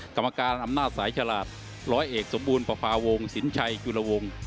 กรรมการอำนาจสายฉลาดร้อยเอกสมบูรณประพาวงสินชัยจุลวง